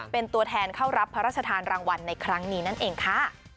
เป็นตัวแทนเข้ารับพระราชทานรางวัลในครั้งนี้นั่นเองค่ะ